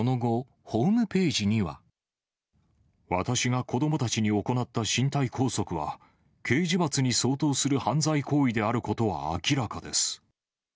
私が子どもたちに行った身体拘束は、刑事罰に相当する犯罪行為であることは明らかです。